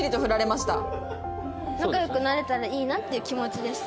仲良くなれたらいいなっていう気持ちです。